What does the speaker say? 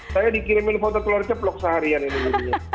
saya dikirimin foto telur ceplok seharian ini